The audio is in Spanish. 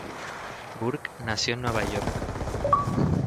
Burke nació en Nueva York.